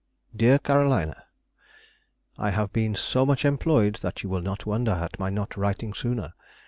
_ DEAR CAROLINA,— I have been so much employed that you will not wonder at my not writing sooner.